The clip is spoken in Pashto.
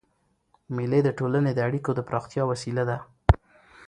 مېلې د ټولني د اړیکو د پراختیا وسیله ده.